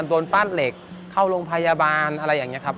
ฟาดเหล็กเข้าโรงพยาบาลอะไรอย่างนี้ครับ